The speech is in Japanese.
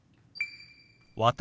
「私」。